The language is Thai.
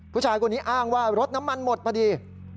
ผู้ชายคนนี้อ้างว่ารถน้ำมันหมดพอดี